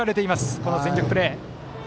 この全力プレー！